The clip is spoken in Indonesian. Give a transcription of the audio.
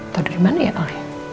tau dari mana ya al